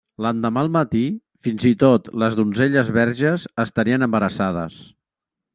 L'endemà al matí fins i tot les donzelles verges estarien embarassades.